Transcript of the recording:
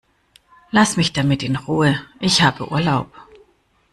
Lass mich damit in Ruhe, ich habe Urlaub!